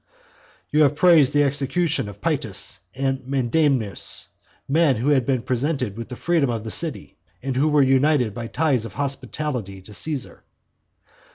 "You have praised the execution of Paetus and Menedemus, men who had been presented with the freedom of the city, and who were united by ties of hospitality to Caesar."